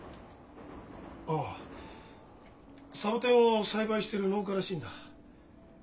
ああサボテンを栽培してる農家らしいんだ。